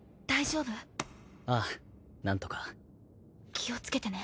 気を付けてね。